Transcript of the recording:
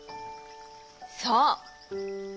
そう。